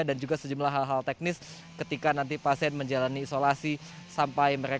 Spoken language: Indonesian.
dan juga sejumlah hal hal teknis ketika nanti pasien menjalani isolasi